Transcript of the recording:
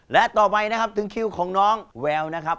และต่อไปนะครับถึงคิวของน้องแววนะครับ